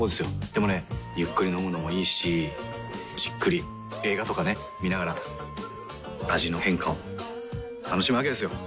でもねゆっくり飲むのもいいしじっくり映画とかね観ながら味の変化を楽しむわけですよ。